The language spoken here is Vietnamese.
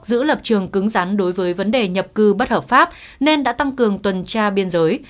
giữ lập trường cứng rắn đối với vấn đề nhập cư bất hợp pháp nên đã tăng cường tuần tra biên giới